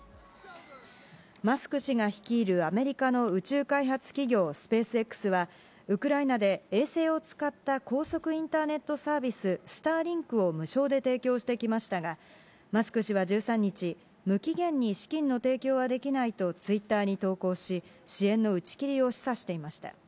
マスク氏が率いるアメリカの宇宙開発企業、スペースＸは、ウクライナで衛星を使った高速インターネットサービス、スターリンクを無償で提供してきましたが、マスク氏は１３日、無期限に資金の提供はできないと、ツイッターに投稿し、支援の打ち切りを示唆していました。